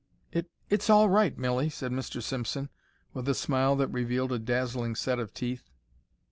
"It—it's all right, Milly," said Mr. Simpson, with a smile that revealed a dazzling set of teeth.